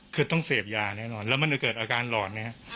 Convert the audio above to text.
คือต้องเสพยาแน่นอนและเกิดอาการหลอน